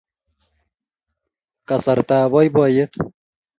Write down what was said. kasartab poipoiyet